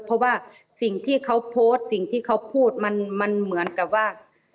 เพราะว่าสิ่งที่เขาโพสต์สิ่งที่เขาพูดมันเหมือนกับว่า